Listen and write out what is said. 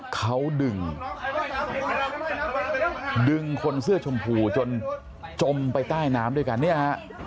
เขาดึงดึงคนเสื้อชมพูจนจมไปใต้น้ำด้วยกันเนี่ยฮะ